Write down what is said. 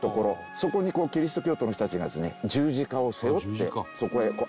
そこにキリスト教徒の人たちがですね十字架を背負ってそこへ歩いていく。